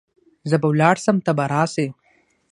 زه به ولاړ سم ته به راسي .